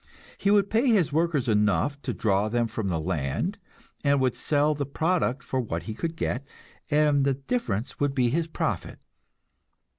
He would pay his workers enough to draw them from the land, and would sell the product for what he could get, and the difference would be his profit.